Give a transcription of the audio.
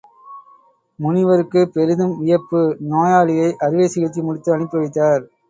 முனிவருக்குப் பெரிதும் வியப்பு—நோயாளியை அறுவைச் சிகிச்சை முடித்து அனுப்பிவைத்தார்.